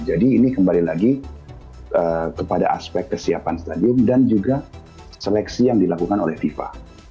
jadi ini kembali lagi kepada aspek kesiapan stadion dan juga seleksi yang dilakukan oleh fifa